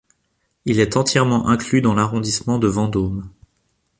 Il est entièrement inclus dans l'arrondissement de Vendôme.